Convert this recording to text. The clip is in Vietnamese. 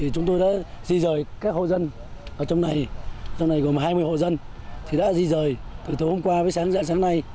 chúng tôi đã di rời các hộ dân ở trong này trong này gồm hai mươi hộ dân thì đã di rời từ tối hôm qua với sáng dạng sáng nay